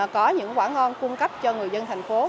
có những quả ngon cung cấp cho người dân thành phố